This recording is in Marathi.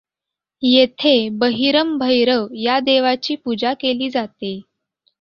येथे बहिरम भैरव या देवाची पूजा केली जाते.